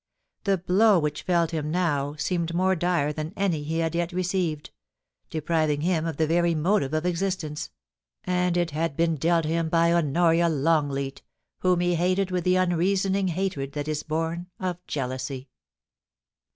The blow which felled him now, seemed more dire than any he had yet received, depriving him of the very motive of existence — and it had been dealt him by Honoria Longleat, whom he hated with the unreasoning hatred that is bom of jealousy.